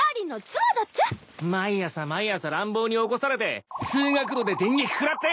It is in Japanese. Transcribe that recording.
毎朝毎朝乱暴に起こされて通学路で電撃くらって。